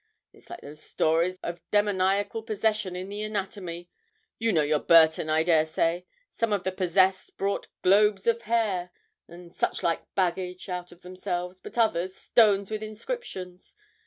It's like those stories of demoniacal possession in the "Anatomy" you know your Burton, I daresay? Some of the possessed brought "globes of hair" and "such like baggage" out of themselves, but others "stones with inscriptions."